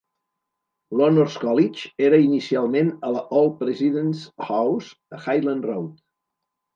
L'Honors College era inicialment a la Old President's House a Highland Road.